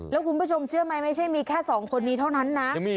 แล้วคุณผู้ชมเชื่อไหมไม่ใช่มีแค่สองคนนี้เท่านั้นนะ